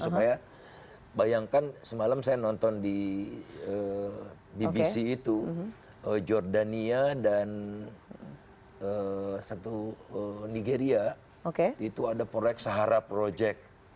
supaya bayangkan semalam saya nonton di bbc itu jordania dan satu nigeria itu ada proyek saharap project